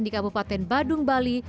di kabupaten badung bali